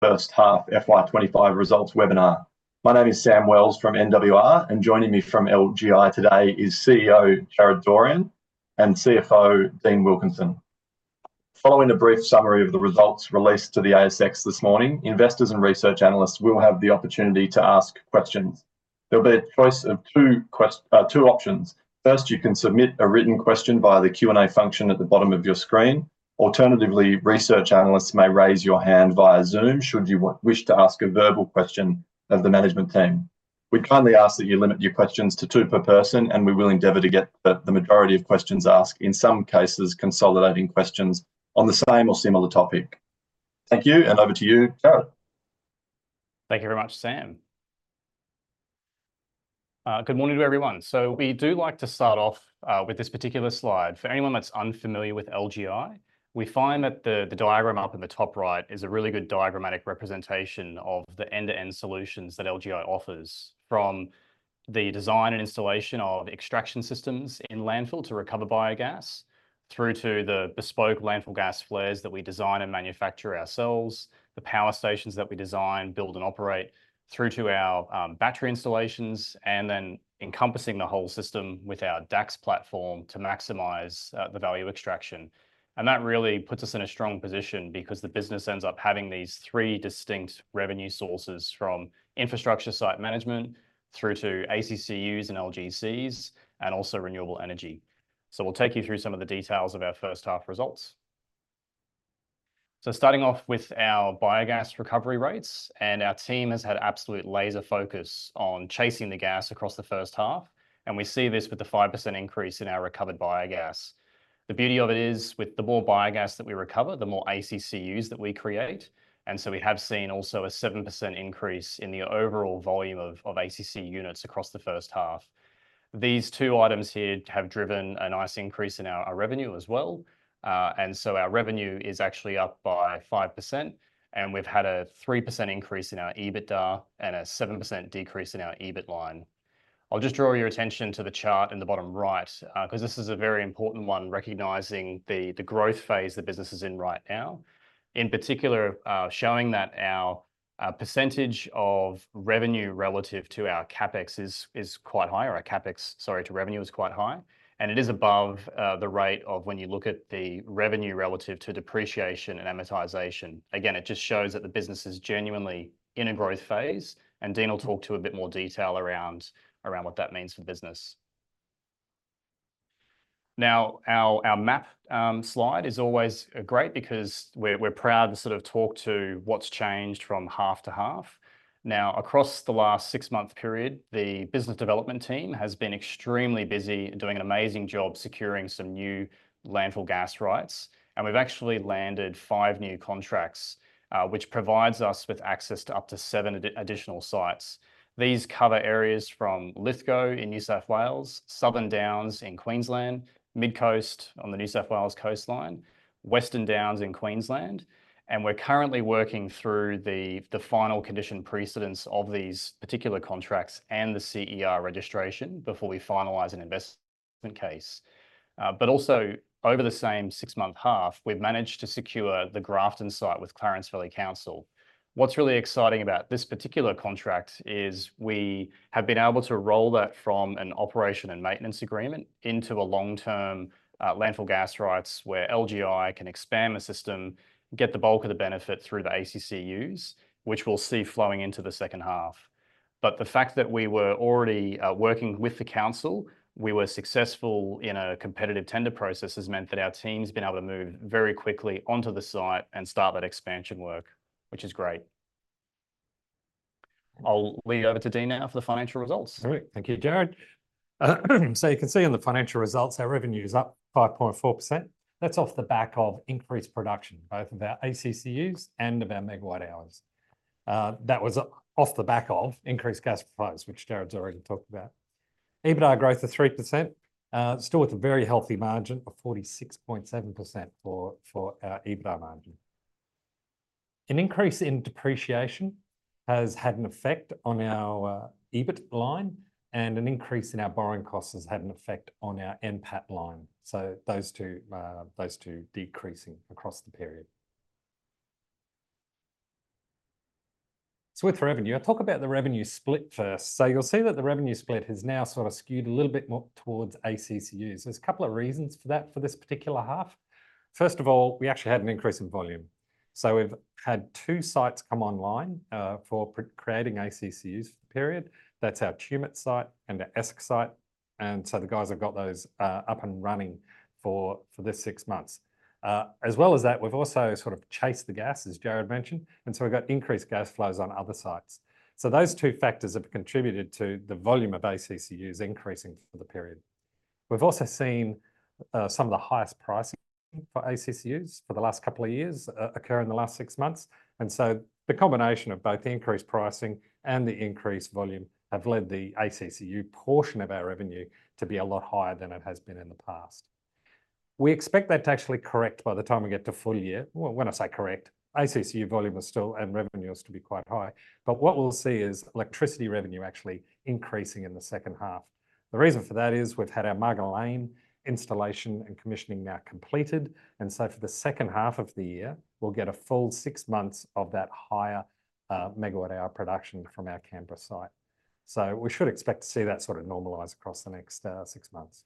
First half FY 2025 results webinar. My name is Sam Wells from NWR, and joining me from LGI today is CEO Jarryd Doran and CFO Dean Wilkinson. Following a brief summary of the results released to the ASX this morning, investors and research analysts will have the opportunity to ask questions. There'll be a choice of two options. First, you can submit a written question via the Q&A function at the bottom of your screen. Alternatively, research analysts may raise your hand via Zoom should you wish to ask a verbal question of the management team. We kindly ask that you limit your questions to two per person, and we will endeavor to get the majority of questions asked, in some cases consolidating questions on the same or similar topic. Thank you, and over to you, Jarryd. Thank you very much, Sam. Good morning to everyone. We do like to start off with this particular slide. For anyone that's unfamiliar with LGI, we find that the diagram up in the top right is a really good diagrammatic representation of the end-to-end solutions that LGI offers, from the design and installation of extraction systems in landfill to recover biogas, through to the bespoke landfill gas flares that we design and manufacture ourselves, the power stations that we design, build, and operate, through to our battery installations, and then encompassing the whole system with our DACS platform to maximize the value of extraction. That really puts us in a strong position because the business ends up having these three distinct revenue sources from infrastructure site management through to ACCUs and LGCs, and also renewable energy. We'll take you through some of the details of our first half results. Starting off with our biogas recovery rates, our team has had absolute laser focus on chasing the gas across the first half, and we see this with the 5% increase in our recovered biogas. The beauty of it is, with the more biogas that we recover, the more ACCUs that we create, and we have seen also a 7% increase in the overall volume of ACCU units across the first half. These two items here have driven a nice increase in our revenue as well, and our revenue is actually up by 5%, and we've had a 3% increase in our EBITDA and a 7% decrease in our EBIT line. I'll just draw your attention to the chart in the bottom right, because this is a very important one, recognizing the growth phase the business is in right now, in particular showing that our percentage of revenue relative to our CapEx is quite high, or our CapEx, sorry, to revenue is quite high, and it is above the rate of when you look at the revenue relative to depreciation and amortization. Again, it just shows that the business is genuinely in a growth phase, and Dean will talk to you in a bit more detail around what that means for business. Now, our map slide is always great because we're proud to sort of talk to what's changed from half to half. Now, across the last six-month period, the business development team has been extremely busy doing an amazing job securing some new landfill gas rights, and we've actually landed five new contracts, which provides us with access to up to seven additional sites. These cover areas from Lithgow in New South Wales, Southern Downs in Queensland, Midcoast on the New South Wales coastline, Western Downs in Queensland, and we're currently working through the final condition precedents of these particular contracts and the CER registration before we finalise an investment case. Also, over the same six-month half, we've managed to secure the Grafton site with Clarence Valley Council. What's really exciting about this particular contract is we have been able to roll that from an operation and maintenance agreement into a long-term landfill gas rights where LGI can expand the system, get the bulk of the benefit through the ACCUs, which we'll see flowing into the second half. The fact that we were already working with the council, we were successful in a competitive tender process has meant that our team's been able to move very quickly onto the site and start that expansion work, which is great. I'll leave it over to Dean now for the financial results. Great, thank you, Jarryd. You can see in the financial results, our revenue is up 5.4%. That's off the back of increased production, both of our ACCUs and of our megawatt hours. That was off the back of increased gas price, which Jarryd's already talked about. EBITDA growth is 3%, still with a very healthy margin of 46.7% for our EBITDA margin. An increase in depreciation has had an effect on our EBIT line, and an increase in our borrowing costs has had an effect on our NPAT line. Those two decreasing across the period. With revenue, I'll talk about the revenue split first. You'll see that the revenue split has now sort of skewed a little bit more towards ACCUs. There's a couple of reasons for that for this particular half. First of all, we actually had an increase in volume. We have had two sites come online for creating ACCUs for the period. That is our Tumut site and our Esk site, and the guys have got those up and running for this six months. As well as that, we have also sort of chased the gas, as Jarryd mentioned, and we have got increased gas flows on other sites. Those two factors have contributed to the volume of ACCUs increasing for the period. We have also seen some of the highest pricing for ACCUs for the last couple of years occur in the last six months, and the combination of both the increased pricing and the increased volume have led the ACCU portion of our revenue to be a lot higher than it has been in the past. We expect that to actually correct by the time we get to full year. When I say correct, ACCU volume is still and revenue is to be quite high, but what we'll see is electricity revenue actually increasing in the second half. The reason for that is we've had our Mugga Lane installation and commissioning now completed, and for the second half of the year, we'll get a full six months of that higher megawatt hour production from our Canberra site. We should expect to see that sort of normalise across the next six months.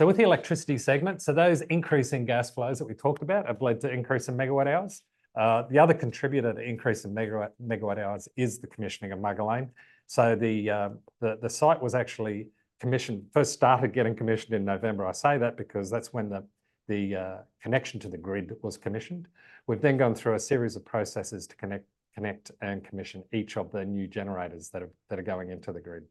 With the electricity segment, those increasing gas flows that we talked about have led to increasing megawatt hours. The other contributor to increasing megawatt hours is the commissioning of Mugga Lane. The site was actually commissioned, first started getting commissioned in November. I say that because that's when the connection to the grid was commissioned. We've then gone through a series of processes to connect and commission each of the new generators that are going into the grid.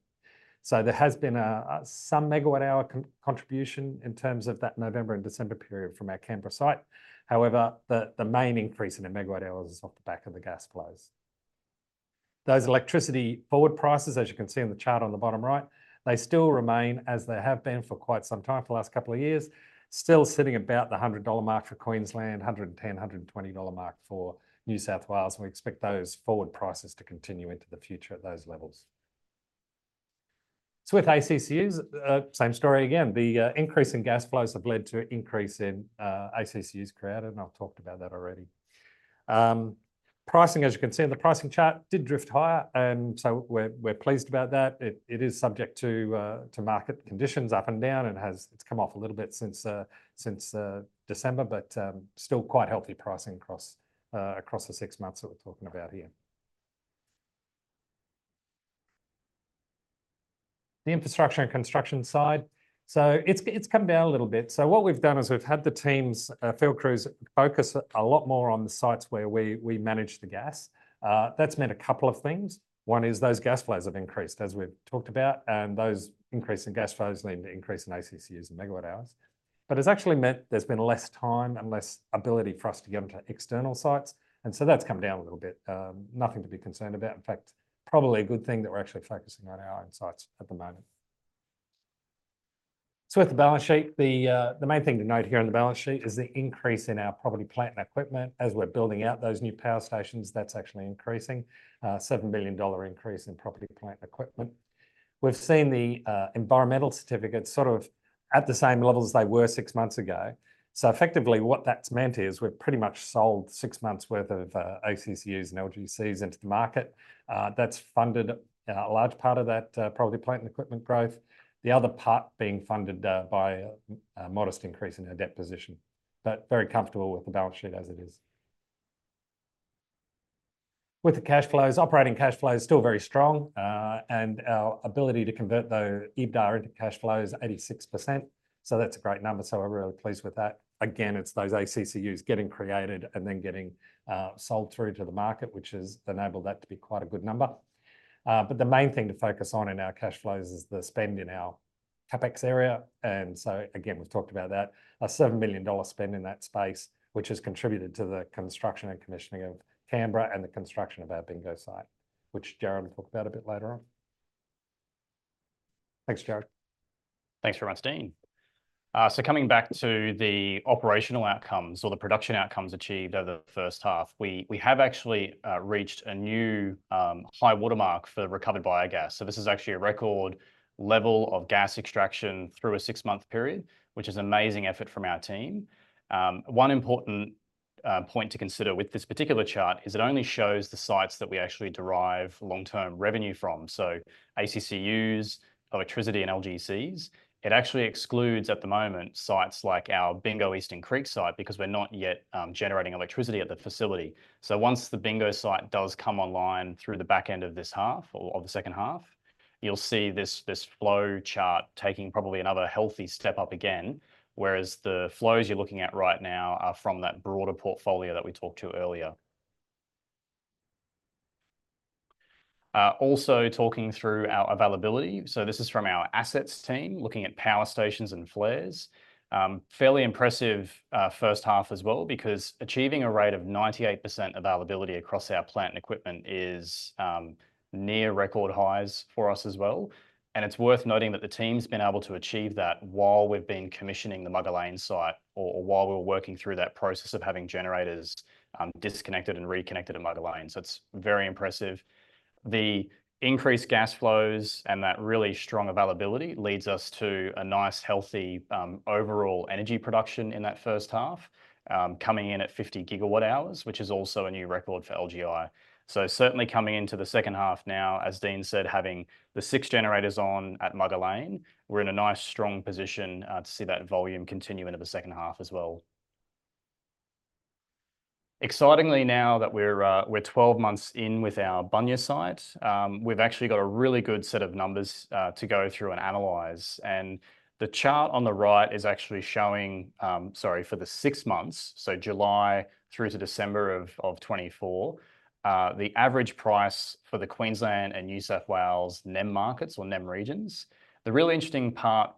There has been some megawatt hour contribution in terms of that November and December period from our Canberra site. However, the main increase in megawatt hours is off the back of the gas flows. Those electricity forward prices, as you can see in the chart on the bottom right, still remain as they have been for quite some time for the last couple of years, still sitting about the 100 dollar mark for Queensland, 110-120 dollar mark for New South Wales, and we expect those forward prices to continue into the future at those levels. With ACCUs, same story again. The increase in gas flows have led to an increase in ACCUs created, and I've talked about that already. Pricing, as you can see in the pricing chart, did drift higher, and so we're pleased about that. It is subject to market conditions up and down, and it's come off a little bit since December, but still quite healthy pricing across the six months that we're talking about here. The infrastructure and construction side, it's come down a little bit. What we've done is we've had the teams, field crews, focus a lot more on the sites where we manage the gas. That's meant a couple of things. One is those gas flows have increased, as we've talked about, and those increasing gas flows lead to an increase in ACCUs and megawatt hours. It's actually meant there's been less time and less ability for us to get onto external sites, and that's come down a little bit. Nothing to be concerned about. In fact, probably a good thing that we're actually focusing on our own sites at the moment. With the balance sheet, the main thing to note here on the balance sheet is the increase in our property, plant, and equipment. As we're building out those new power stations, that's actually increasing, an 7 billion dollar increase in property, plant, and equipment. We've seen the environmental certificates sort of at the same level as they were six months ago. Effectively, what that's meant is we've pretty much sold six months' worth of ACCUs and LGCs into the market. That's funded a large part of that property, plant, and equipment growth, the other part being funded by a modest increase in our debt position, but very comfortable with the balance sheet as it is. With the cash flows, operating cash flow is still very strong, and our ability to convert those EBITDA into cash flow is 86%, so that's a great number, so we're really pleased with that. Again, it's those ACCUs getting created and then getting sold through to the market, which has enabled that to be quite a good number. The main thing to focus on in our cash flows is the spend in our CapEx area, and again, we've talked about that, an 7 billion dollar spend in that space, which has contributed to the construction and commissioning of Canberra and the construction of our Bingo site, which Jarryd will talk about a bit later on. Thanks, Jarryd. Thanks very much, Dean. Coming back to the operational outcomes or the production outcomes achieved over the first half, we have actually reached a new high watermark for recovered biogas. This is actually a record level of gas extraction through a six-month period, which is an amazing effort from our team. One important point to consider with this particular chart is it only shows the sites that we actually derive long-term revenue from, so ACCUs, electricity, and LGCs. It actually excludes at the moment sites like our Bingo Eastern Creek site because we're not yet generating electricity at the facility. Once the Bingo site does come online through the back end of this half or the second half, you'll see this flow chart taking probably another healthy step up again, whereas the flows you're looking at right now are from that broader portfolio that we talked to earlier. Also talking through our availability, this is from our assets team looking at power stations and flares. Fairly impressive first half as well because achieving a rate of 98% availability across our plant and equipment is near record highs for us as well. It's worth noting that the team's been able to achieve that while we've been commissioning the Mugga Lane site or while we were working through that process of having generators disconnected and reconnected at Mugga Lane. It's very impressive. The increased gas flows and that really strong availability leads us to a nice healthy overall energy production in that first half, coming in at 50 GWh, which is also a new record for LGI. Certainly coming into the second half now, as Dean said, having the six generators on at Mugga Lane, we're in a nice strong position to see that volume continue into the second half as well. Excitingly now that we're 12 months in with our Bunya site, we've actually got a really good set of numbers to go through and analyse, and the chart on the right is actually showing, sorry, for the six months, so July through to December of 2024, the average price for the Queensland and New South Wales NEM markets or NEM regions. The really interesting part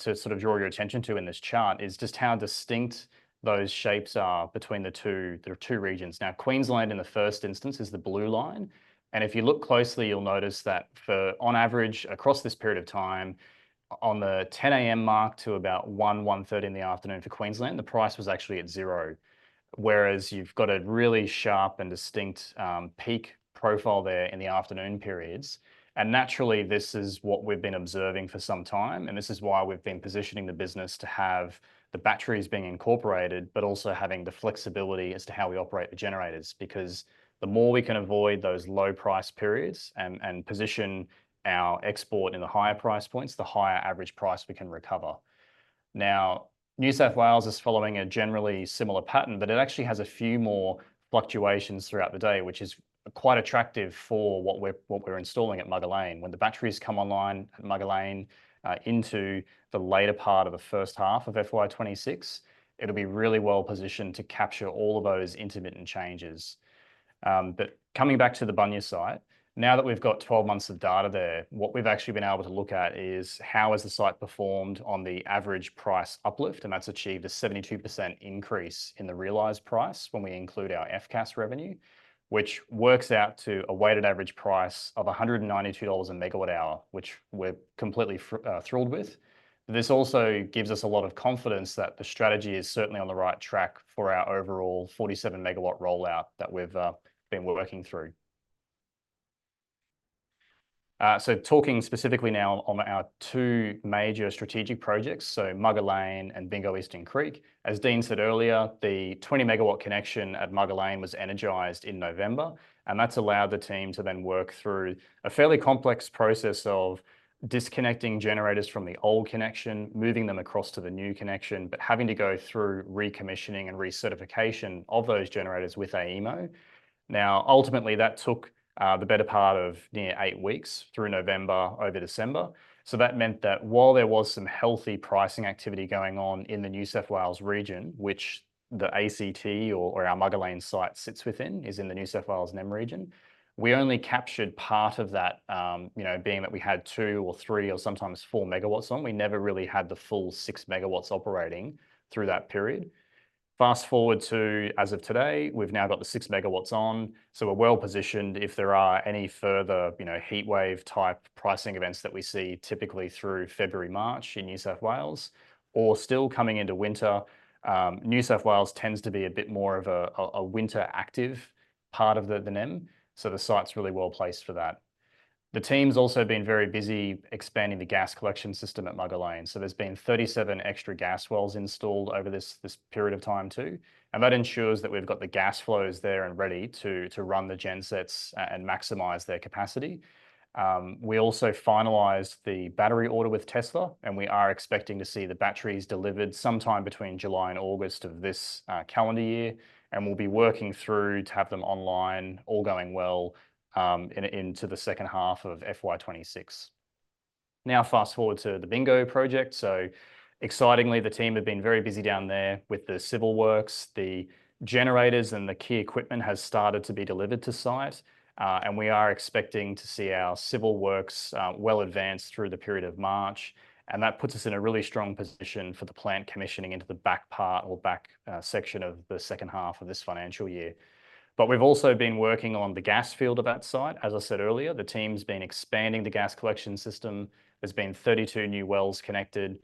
to sort of draw your attention to in this chart is just how distinct those shapes are between the two regions. Now, Queensland in the first instance is the blue line, and if you look closely, you'll notice that for, on average, across this period of time, on the 10:00 A.M. mark to about 1:00, 1:30 in the afternoon for Queensland, the price was actually at zero, whereas you've got a really sharp and distinct peak profile there in the afternoon periods. Naturally, this is what we've been observing for some time, and this is why we've been positioning the business to have the batteries being incorporated, but also having the flexibility as to how we operate the generators, because the more we can avoid those low price periods and position our export in the higher price points, the higher average price we can recover. Now, New South Wales is following a generally similar pattern, but it actually has a few more fluctuations throughout the day, which is quite attractive for what we're installing at Mugga Lane. When the batteries come online at Mugga Lane into the later part of the first half of FY 2026, it'll be really well positioned to capture all of those intermittent changes. Coming back to the Bunya site, now that we've got 12 months of data there, what we've actually been able to look at is how has the site performed on the average price uplift, and that's achieved a 72% increase in the realized price when we include our FCAS revenue, which works out to a weighted average price of 192 dollars a MWh, which we're completely thrilled with. This also gives us a lot of confidence that the strategy is certainly on the right track for our overall 47 MW rollout that we've been working through. Talking specifically now on our two major strategic projects, Mugga Lane and Bingo Eastern Creek, as Dean said earlier, the 20 megawatt connection at Mugga Lane was energised in November, and that's allowed the team to then work through a fairly complex process of disconnecting generators from the old connection, moving them across to the new connection, but having to go through recommissioning and recertification of those generators with AEMO. Ultimately, that took the better part of near eight weeks through November over December. That meant that while there was some healthy pricing activity going on in the New South Wales region, which the ACT or our Mugga Lane site sits within, is in the New South Wales NEM region, we only captured part of that, you know, being that we had two or three or sometimes four megawatts on. We never really had the full six megawatts operating through that period. Fast forward to as of today, we've now got the six megawatts on, so we're well positioned if there are any further heat wave type pricing events that we see typically through February, March in New South Wales, or still coming into winter. New South Wales tends to be a bit more of a winter active part of the NEM, so the site's really well placed for that. The team's also been very busy expanding the gas collection system at Mugga Lane, so there's been 37 extra gas wells installed over this period of time too, and that ensures that we've got the gas flows there and ready to run the gensets and maximise their capacity. We also finalised the battery order with Tesla, and we are expecting to see the batteries delivered sometime between July and August of this calendar year, and we'll be working through to have them online all going well into the second half of FY 2026. Now, fast forward to the Bingo project. Excitingly, the team have been very busy down there with the civil works. The generators and the key equipment has started to be delivered to site, and we are expecting to see our civil works well advanced through the period of March. That puts us in a really strong position for the plant commissioning into the back part or back section of the second half of this financial year. We have also been working on the gas field of that site. As I said earlier, the team's been expanding the gas collection system. There's been 32 new wells connected.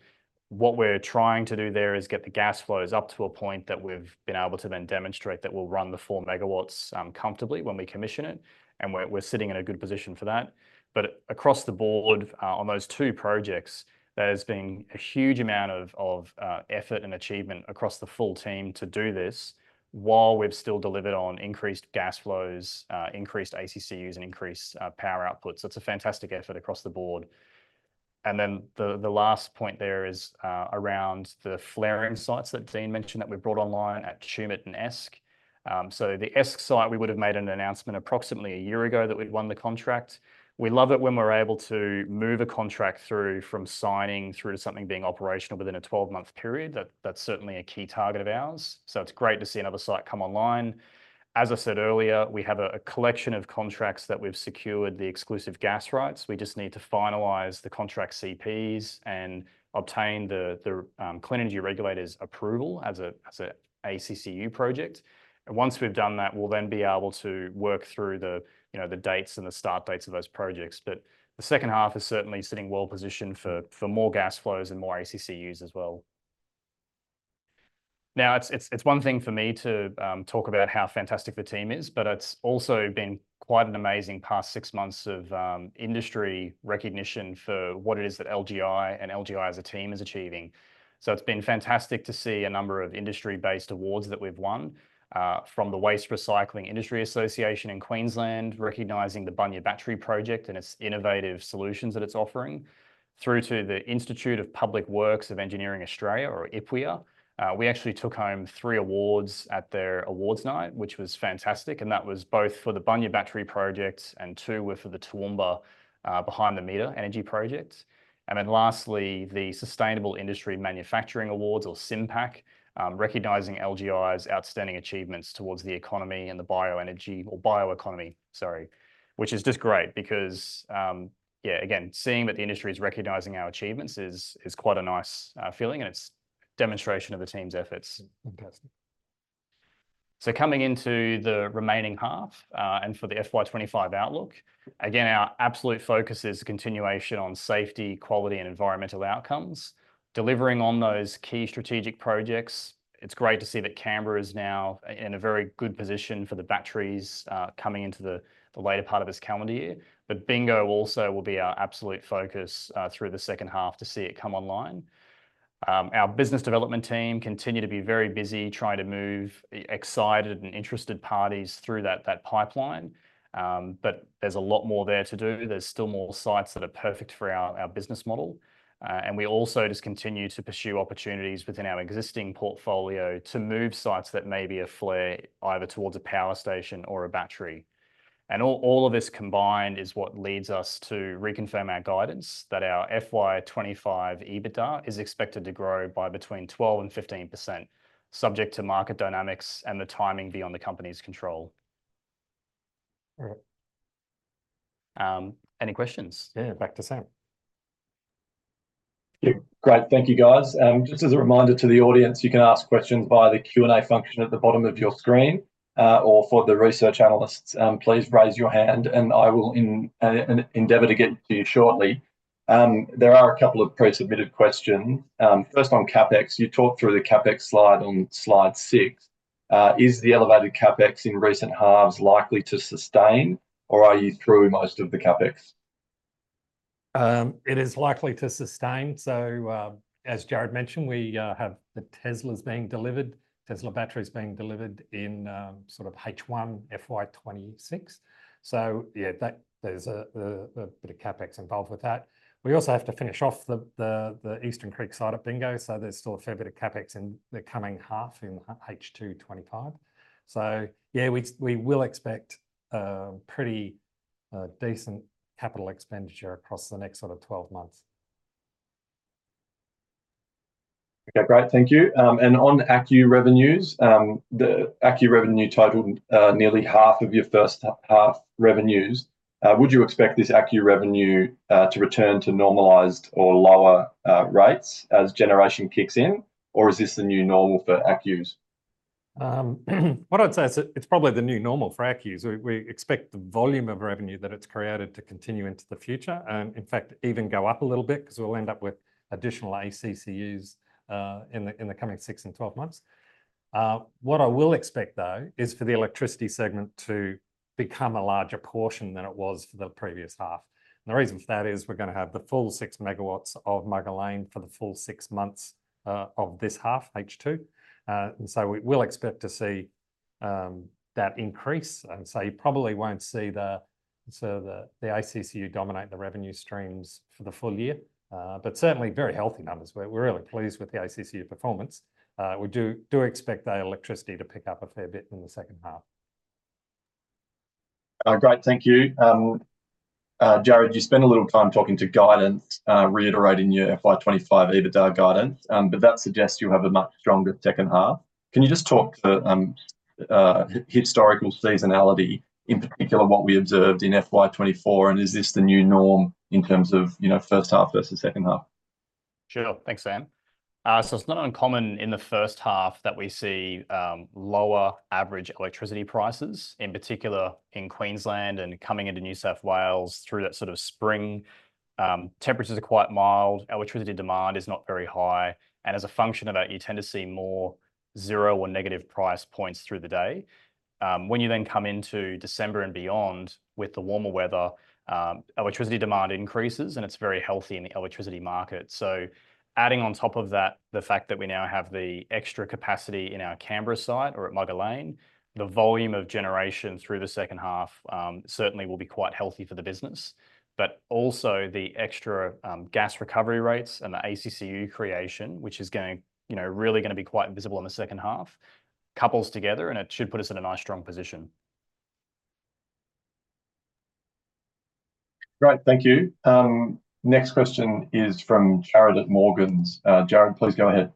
What we're trying to do there is get the gas flows up to a point that we've been able to then demonstrate that we'll run the four megawatts comfortably when we commission it, and we're sitting in a good position for that. Across the board, on those two projects, there's been a huge amount of effort and achievement across the full team to do this while we've still delivered on increased gas flows, increased ACCUs, and increased power output. It is a fantastic effort across the board. The last point there is around the flaring sites that Dean mentioned that we brought online at Tumut and Esk. The Esk site, we would have made an announcement approximately a year ago that we'd won the contract. We love it when we're able to move a contract through from signing through to something being operational within a 12-month period. That is certainly a key target of ours. It is great to see another site come online. As I said earlier, we have a collection of contracts that we've secured the exclusive gas rights. We just need to finalize the contract CPs and obtain the Clean Energy Regulator's approval as an ACCU project. Once we've done that, we'll then be able to work through the dates and the start dates of those projects. The second half is certainly sitting well positioned for more gas flows and more ACCUs as well. Now, it's one thing for me to talk about how fantastic the team is, but it's also been quite an amazing past six months of industry recognition for what it is that LGI and LGI as a team is achieving. It's been fantastic to see a number of industry-based awards that we've won from the Waste Recycling Industry Association in Queensland recognizing the Bunya Battery project and its innovative solutions that it's offering, through to the Institute of Public Works Engineering Australasia, or IPWEA. We actually took home three awards at their awards night, which was fantastic, and that was both for the Bunya Battery project and two were for the Toowoomba Behind the Meter Energy project. Lastly, the Sustainable Industry Manufacturing Awards, or SIM-PAC, recognizing LGI's outstanding achievements towards the economy and the bioenergy or bioeconomy, sorry, which is just great because, yeah, again, seeing that the industry is recognizing our achievements is quite a nice feeling, and it is a demonstration of the team's efforts. Coming into the remaining half and for the FY 2025 outlook, again, our absolute focus is a continuation on safety, quality, and environmental outcomes. Delivering on those key strategic projects, it's great to see that Canberra is now in a very good position for the batteries coming into the later part of this calendar year. Bingo also will be our absolute focus through the second half to see it come online. Our business development team continue to be very busy trying to move excited and interested parties through that pipeline, but there's a lot more there to do. There's still more sites that are perfect for our business model, and we also just continue to pursue opportunities within our existing portfolio to move sites that may be a flare either towards a power station or a battery. All of this combined is what leads us to reconfirm our guidance that our FY 2025 EBITDA is expected to grow by between 12% and 15%, subject to market dynamics and the timing beyond the company's control. Any questions? Yeah, back to Sam. Great, thank you guys. Just as a reminder to the audience, you can ask questions via the Q&A function at the bottom of your screen or for the research analysts. Please raise your hand, and I will endeavour to get to you shortly. There are a couple of pre-submitted questions. First on CapEx, you talked through the CapEx slide on slide six. Is the elevated CapEx in recent halves likely to sustain, or are you through most of the CapEx? It is likely to sustain. As Jarrod mentioned, we have the Teslas being delivered, Tesla batteries being delivered in sort of H1 FY 2026. Yeah, there's a bit of CapEx involved with that. We also have to finish off the Eastern Creek side of Bingo, so there's still a fair bit of CapEx in the coming half in H2 2025. Yeah, we will expect pretty decent capital expenditure across the next sort of 12 months. Okay, great, thank you. On ACCU revenues, the ACCU revenue totaled nearly half of your first half revenues. Would you expect this ACCU revenue to return to normalised or lower rates as generation kicks in, or is this the new normal for ACCUs? What I'd say is it's probably the new normal for ACCUs. We expect the volume of revenue that it's created to continue into the future and in fact, even go up a little bit because we'll end up with additional ACCUs in the coming six and 12 months. What I will expect, though, is for the electricity segment to become a larger portion than it was for the previous half. The reason for that is we're going to have the full 6 MW of Mugga Lane for the full six months of this half, H2. We will expect to see that increase. You probably won't see the ACCU dominate the revenue streams for the full year, but certainly very healthy numbers. We're really pleased with the ACCU performance. We do expect the electricity to pick up a fair bit in the second half. Great, thank you. Jarryd, you spent a little time talking to guidance, reiterating your FY 2025 EBITDA guidance, but that suggests you'll have a much stronger second half. Can you just talk to historical seasonality, in particular what we observed in FY 2024, and is this the new norm in terms of first half versus second half? Sure, thanks Sam. It is not uncommon in the first half that we see lower average electricity prices, in particular in Queensland and coming into New South Wales through that sort of spring. Temperatures are quite mild, electricity demand is not very high, and as a function of that, you tend to see more zero or negative price points through the day. When you then come into December and beyond with the warmer weather, electricity demand increases, and it is very healthy in the electricity market. Adding on top of that, the fact that we now have the extra capacity in our Canberra site or at Mugga Lane, the volume of generation through the second half certainly will be quite healthy for the business, but also the extra gas recovery rates and the ACCU creation, which is really going to be quite visible in the second half, couples together, and it should put us in a nice strong position. Great, thank you. Next question is from Jarrod at Morgan. Jarrod, please go ahead.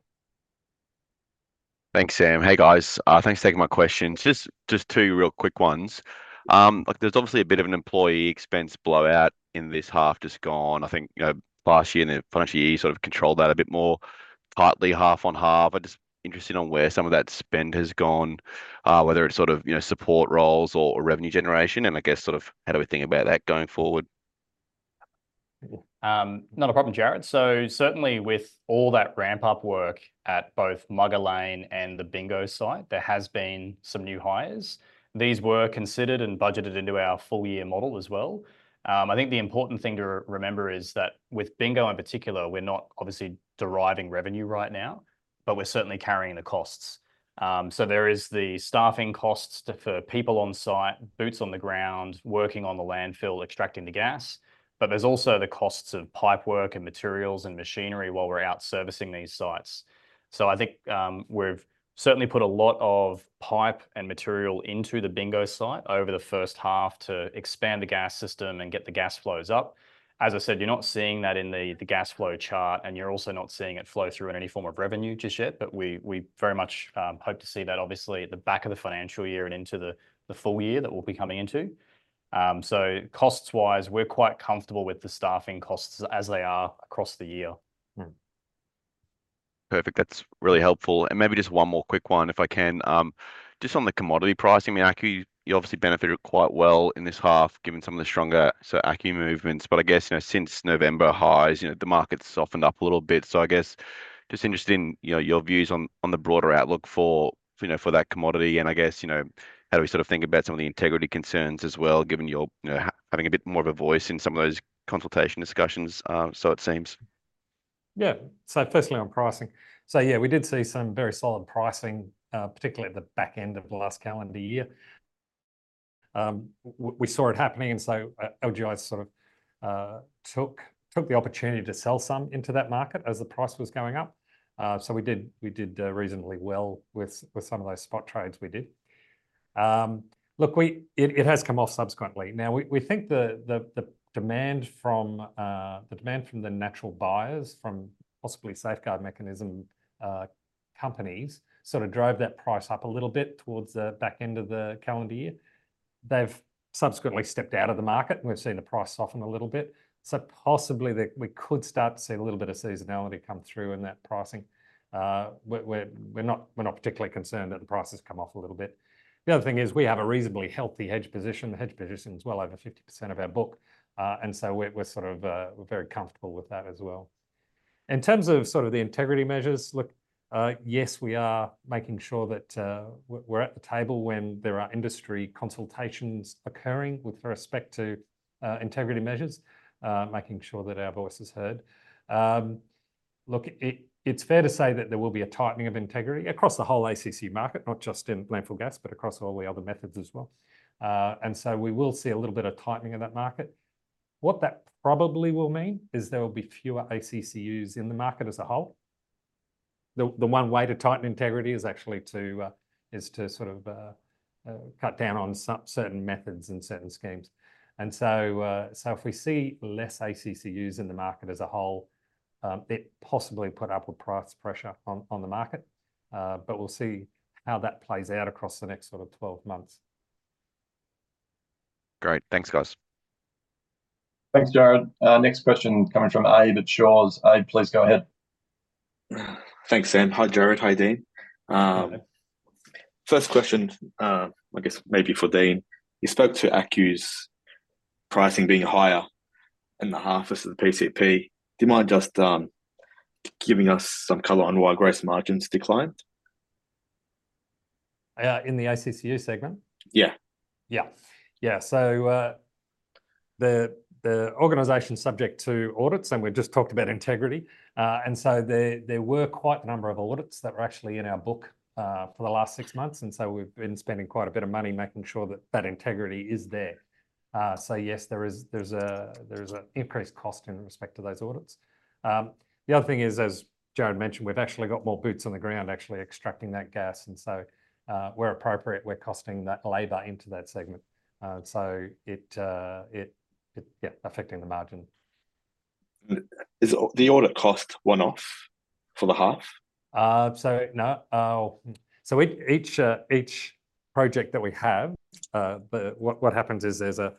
Thanks, Sam. Hey guys, thanks for taking my questions. Just two real quick ones. There's obviously a bit of an employee expense blowout in this half just gone. I think last year and the financial year sort of controlled that a bit more tightly, half on half. I'm just interested on where some of that spend has gone, whether it's sort of support roles or revenue generation, and I guess sort of how do we think about that going forward? Not a problem, Jarrod. Certainly with all that ramp-up work at both Mugga Lane and the Bingo site, there have been some new hires. These were considered and budgeted into our full-year model as well. I think the important thing to remember is that with Bingo in particular, we're not obviously deriving revenue right now, but we're certainly carrying the costs. There is the staffing costs for people on site, boots on the ground, working on the landfill, extracting the gas, but there's also the costs of pipework and materials and machinery while we're out servicing these sites. I think we've certainly put a lot of pipe and material into the Bingo site over the first half to expand the gas system and get the gas flows up. As I said, you're not seeing that in the gas flow chart, and you're also not seeing it flow through in any form of revenue just yet. We very much hope to see that obviously at the back of the financial year and into the full year that we'll be coming into. Costs-wise, we're quite comfortable with the staffing costs as they are across the year. Perfect, that's really helpful. Maybe just one more quick one, if I can. Just on the commodity pricing, I mean, you obviously benefited quite well in this half given some of the stronger ACCU movements, but I guess since November highs, the market's softened up a little bit. I guess just interested in your views on the broader outlook for that commodity and I guess how do we sort of think about some of the integrity concerns as well given you're having a bit more of a voice in some of those consultation discussions, it seems. Yeah, so firstly on pricing. Yeah, we did see some very solid pricing, particularly at the back end of the last calendar year. We saw it happening, and LGI sort of took the opportunity to sell some into that market as the price was going up. We did reasonably well with some of those spot trades we did. Look, it has come off subsequently. Now, we think the demand from the natural buyers from possibly Safeguard Mechanism companies sort of drove that price up a little bit towards the back end of the calendar year. They have subsequently stepped out of the market, and we have seen the price soften a little bit. Possibly we could start to see a little bit of seasonality come through in that pricing. We are not particularly concerned that the price has come off a little bit. The other thing is we have a reasonably healthy hedge position. The hedge position is well over 50% of our book, and we are sort of very comfortable with that as well. In terms of the integrity measures, look, yes, we are making sure that we are at the table when there are industry consultations occurring with respect to integrity measures, making sure that our voice is heard. It is fair to say that there will be a tightening of integrity across the whole ACCU market, not just in landfill gas, but across all the other methods as well. We will see a little bit of tightening of that market. What that probably will mean is there will be fewer ACCUs in the market as a whole. The one way to tighten integrity is actually to sort of cut down on certain methods and certain schemes. If we see less ACCUs in the market as a whole, it possibly puts upward price pressure on the market, but we'll see how that plays out across the next sort of 12 months. Great, thanks guys. Thanks, Jarrod. Next question coming from Aib at Shaw and Partners. Aib, please go ahead. Thanks, Sam. Hi, Jarryd, hi Dean. First question, I guess maybe for Dean, you spoke to ACCUs pricing being higher in the half of the PCP. Do you mind just giving us some color on why gross margins declined? Yeah, in the ACCU segment? Yeah. Yeah, yeah. The organisation's subject to audits, and we've just talked about integrity. There were quite a number of audits that were actually in our book for the last six months, and we've been spending quite a bit of money making sure that that integrity is there. Yes, there's an increased cost in respect to those audits. The other thing is, as Jarrod mentioned, we've actually got more boots on the ground actually extracting that gas, and where appropriate, we're costing that labor into that segment. Yeah, affecting the margin. The audit cost one-off for the half? No. Each project that we have, what happens is there's a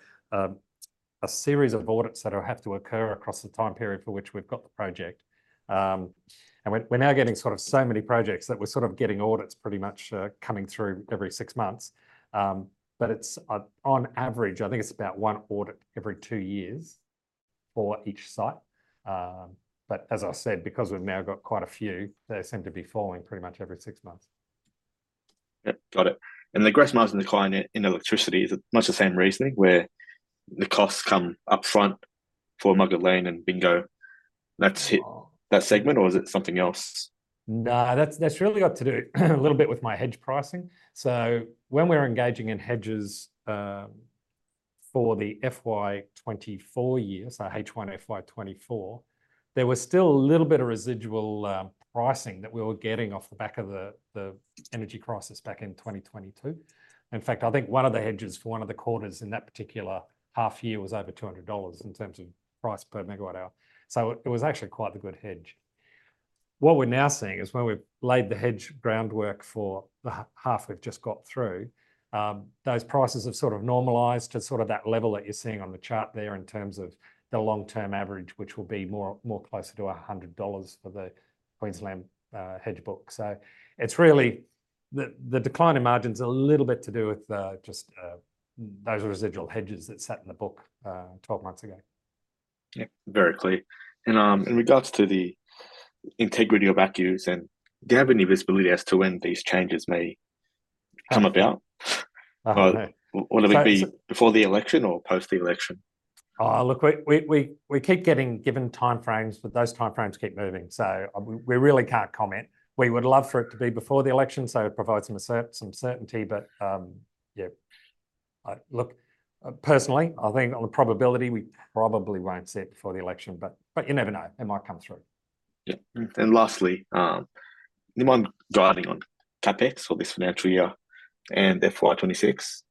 series of audits that will have to occur across the time period for which we've got the project. We're now getting sort of so many projects that we're sort of getting audits pretty much coming through every six months. On average, I think it's about one audit every two years for each site. As I said, because we've now got quite a few, they seem to be falling pretty much every six months. Got it. The gross margin decline in electricity is much the same reasoning where the costs come upfront for Mugga Lane and Bingo. That's that segment, or is it something else? No, that's really got to do a little bit with my hedge pricing. When we were engaging in hedges for the FY 2024 year, H1, FY 2024, there was still a little bit of residual pricing that we were getting off the back of the energy crisis back in 2022. In fact, I think one of the hedges for one of the quarters in that particular half year was over 200 dollars in terms of price per megawatt hour. It was actually quite the good hedge. What we're now seeing is when we've laid the hedge groundwork for the half we've just got through, those prices have sort of normalized to that level that you're seeing on the chart there in terms of the long-term average, which will be more closer to 100 dollars for the Queensland hedge book. It's really the decline in margins is a little bit to do with just those residual hedges that sat in the book 12 months ago. Yeah, very clear. In regards to the integrity of ACCUs, do you have any visibility as to when these changes may come about? Will it be before the election or post the election? Look, we keep getting given timeframes, but those timeframes keep moving, so we really can't comment. We would love for it to be before the election so it provides some certainty, but yeah. Look, personally, I think on the probability, we probably won't see it before the election, but you never know, it might come through. Yeah. Lastly, do you mind guiding on CapEx for this financial year and FY 2026?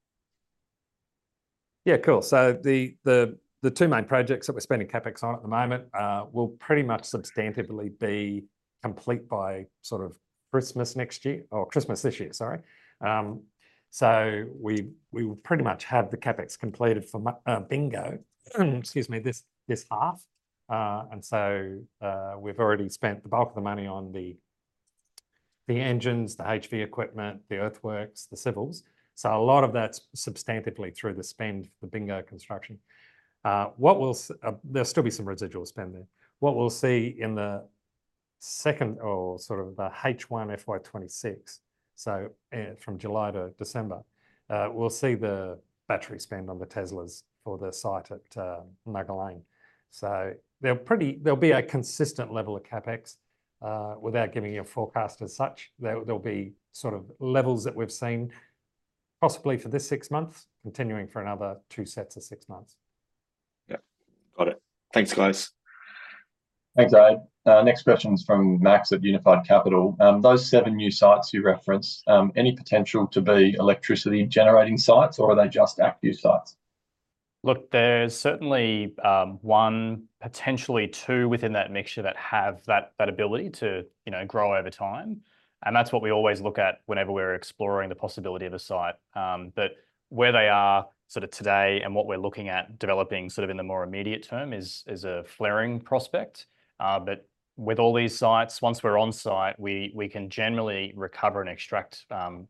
Yeah, cool. The two main projects that we're spending CapEx on at the moment will pretty much substantively be complete by sort of Christmas next year or Christmas this year, sorry. We will pretty much have the CapEx completed for Bingo, excuse me, this half. We have already spent the bulk of the money on the engines, the HV equipment, the earthworks, the civils. A lot of that's substantively through the spend for the Bingo construction. There will still be some residual spend there. What we'll see in the second or sort of the H1, FY 2026, from July to December, we'll see the battery spend on the Teslas for the site at Mugga Lane. There will be a consistent level of CapEx without giving you a forecast as such. There'll be sort of levels that we've seen possibly for this six months, continuing for another two sets of six months. Yeah, got it. Thanks, guys. Thanks, Aib. Next question's from Max at Unified Capital. Those seven new sites you referenced, any potential to be electricity generating sites, or are they just ACCU sites? Look, there's certainly one, potentially two within that mixture that have that ability to grow over time. That is what we always look at whenever we're exploring the possibility of a site. Where they are sort of today and what we're looking at developing in the more immediate term is a flaring prospect. With all these sites, once we're on site, we can generally recover and extract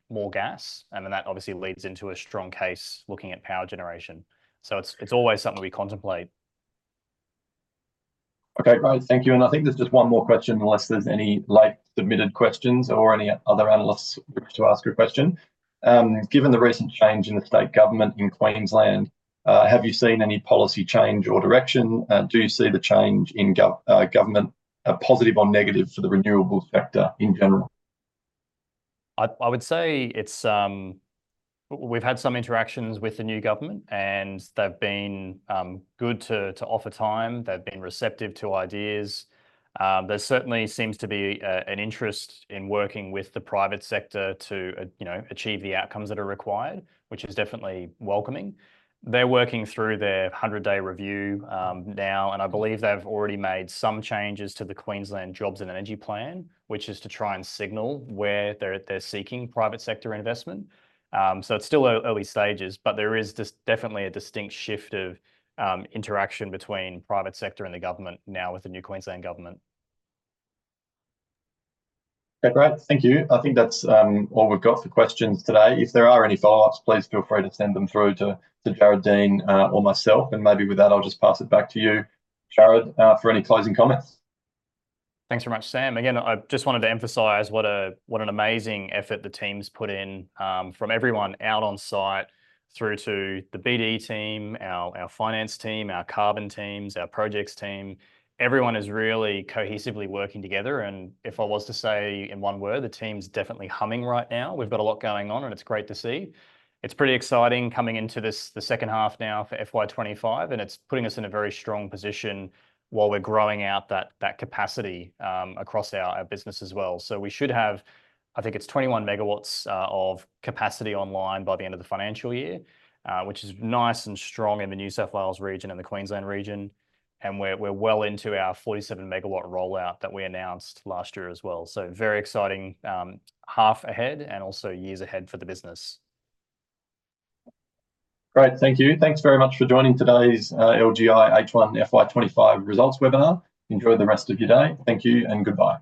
more gas, and that obviously leads into a strong case looking at power generation. It is always something we contemplate. Okay, great. Thank you. I think there's just one more question unless there's any late submitted questions or any other analysts wish to ask a question. Given the recent change in the state government in Queensland, have you seen any policy change or direction? Do you see the change in government positive or negative for the renewables sector in general? I would say we've had some interactions with the new government, and they've been good to offer time. They've been receptive to ideas. There certainly seems to be an interest in working with the private sector to achieve the outcomes that are required, which is definitely welcoming. They're working through their 100-day review now, and I believe they've already made some changes to the Queensland Jobs and Energy Plan, which is to try and signal where they're seeking private sector investment. It is still early stages, but there is definitely a distinct shift of interaction between private sector and the government now with the new Queensland government. Okay, great. Thank you. I think that's all we've got for questions today. If there are any follow-ups, please feel free to send them through to Jarryd, Dean, or myself. Maybe with that, I'll just pass it back to you, Jarrod, for any closing comments. Thanks very much, Sam. Again, I just wanted to emphasize what an amazing effort the team's put in from everyone out on site through to the BD team, our finance team, our carbon teams, our projects team. Everyone is really cohesively working together. If I was to say in one word, the team's definitely humming right now. We've got a lot going on, and it's great to see. It's pretty exciting coming into the second half now for FY 2025, and it's putting us in a very strong position while we're growing out that capacity across our business as well. We should have, I think it's 21 MW of capacity online by the end of the financial year, which is nice and strong in the New South Wales region and the Queensland region. We're well into our 47 MW rollout that we announced last year as well. Very exciting half ahead and also years ahead for the business. Great, thank you. Thanks very much for joining today's LGI H1 FY 2025 results webinar. Enjoy the rest of your day. Thank you and goodbye.